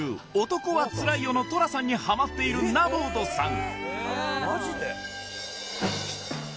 「男はつらいよ」の寅さんにハマっているナボードさん